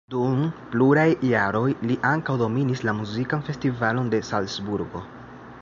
Dum pluraj jaroj li ankaŭ dominis la muzikan festivalon de Salcburgo.